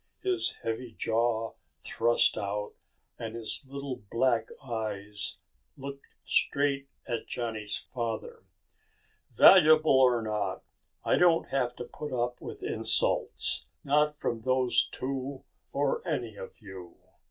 His heavy jaw thrust out and his little black eyes looked straight at Johnny's father. "Valuable or not, I don't have to put up with insults. Not from those two or any of you.